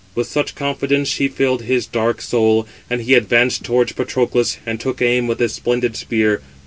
With such confidence she filled his dark soul: and he advanced towards Patroclus, and took aim with his splendid spear.